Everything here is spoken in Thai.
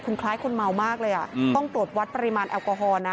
คือคล้ายคนเมามากเลยอ่ะต้องตรวจวัดปริมาณแอลกอฮอลนะ